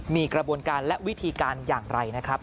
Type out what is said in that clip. มีกระบวนการและวิธีการอย่างไรนะครับ